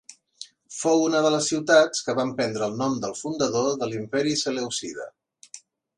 Fou una de les ciutats que van prendre el nom del fundador de l'Imperi Selèucida.